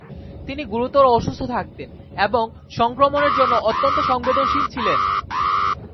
তিনি গুরুতর অসুস্থ থাকতেন এবং সংক্রমণের জন্য অত্যন্ত সংবেদনশীল ছিলেন।